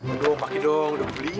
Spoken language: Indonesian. aduh pake dong udah beli nih